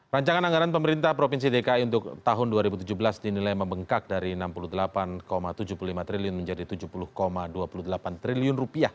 rancangan anggaran pemerintah provinsi dki untuk tahun dua ribu tujuh belas dinilai membengkak dari rp enam puluh delapan tujuh puluh lima triliun menjadi rp tujuh puluh dua puluh delapan triliun